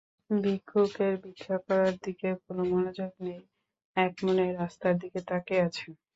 ভিক্ষুকের ভিক্ষা করার দিকে কোনো মনোযোগ নেই, একমনে রাস্তার দিকে তাকিয়ে আছেন।